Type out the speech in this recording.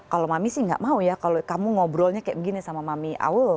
kalau mami sih gak mau ya kalau kamu ngobrolnya kayak begini sama mami awal